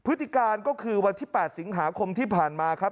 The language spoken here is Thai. พฤติการก็คือวันที่๘สิงหาคมที่ผ่านมาครับ